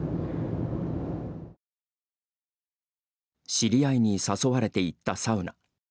知り合いに誘われて行ったサウナ。